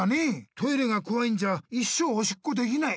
トイレがこわいんじゃ一生おしっこできない。